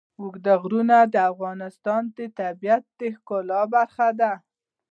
اوږده غرونه د افغانستان د طبیعت د ښکلا برخه ده.